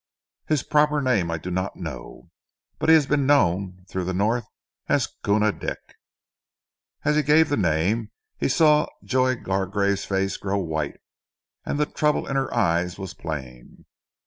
"His proper name I do not know, but he has been known through the North as Koona Dick!" As he gave the name he saw Joy Gargrave's face grow white, and the trouble in her eyes was plain.